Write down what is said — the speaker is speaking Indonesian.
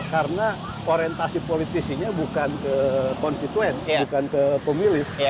karena orientasi politisinya bukan ke konstituen bukan ke pemilih